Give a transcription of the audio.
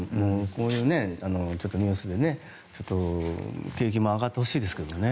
こういうニュースでちょっと、景気も上がってほしいですけどね。